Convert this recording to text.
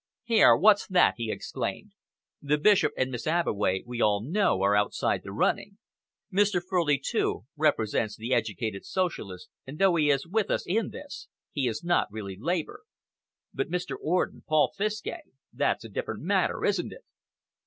"Here, what's that?" he exclaimed. "The Bishop, and Miss Abbeway, we all know, are outside the running. Mr. Furley, too, represents the educated Socialists, and though he is with us in this, he is not really Labour. But Mr. Orden Paul Fiske, eh? That's a different matter, isn't it?"